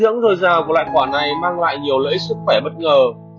nước dinh dưỡng dồi dào của loại quả này mang lại nhiều lợi ích sức khỏe bất ngờ